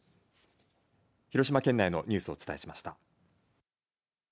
広島県内のニュースをお伝えしました。